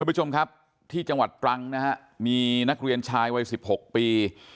ผู้ชมครับที่จังหวัดตรังนะฮะมีนักเรียนชายวัยสิบหกปี